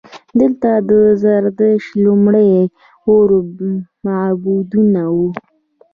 دلته د زردشت لومړني اور معبدونه وو